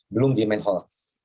belum di main hall